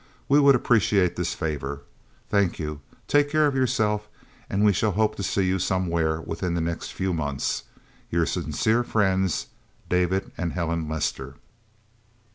We would appreciate this favor. Thank you, take care of yourself, and we shall hope to see you somewhere within the next few months. Your sincere friends, David and Helen Lester."